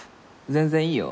全然いいよ。